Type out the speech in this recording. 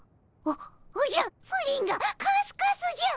おおじゃプリンがカスカスじゃ。